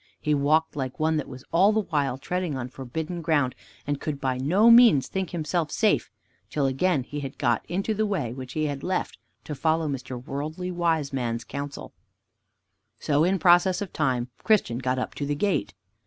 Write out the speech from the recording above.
He walked like one that was all the while treading on forbidden ground, and could by no means think himself safe, till again he had got into the way which he had left to follow Mr. Worldly Wiseman's counsel. So in process of time Christian got up to the gate.